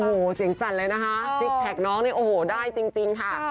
โอ้โหเสียงสั่นเลยนะคะซิกแพคน้องเนี่ยโอ้โหได้จริงค่ะ